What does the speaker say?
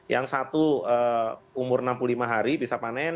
yang satu umur enam puluh lima hari bisa panen